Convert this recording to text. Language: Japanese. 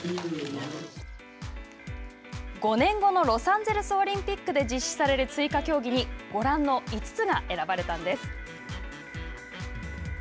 ５年後のロサンゼルスオリンピックで実施される追加競技にご覧の５つが選ばれたんです。